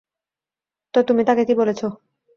তো তুমি তাকে কি বলেছ?